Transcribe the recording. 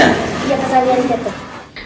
iya pas air yang jatuh